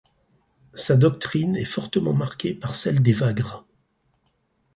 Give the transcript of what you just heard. Sa doctrine est fortement marquée par celle d'Évagre.